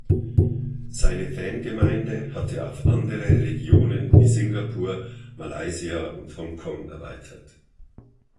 Seine Fangemeinde hatte auf andere Regionen wie Singapur, Malaysia und Hongkong erweitert.